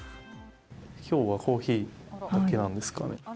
今日はコーヒーだけなんですかね。